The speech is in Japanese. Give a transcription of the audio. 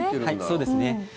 そうですね。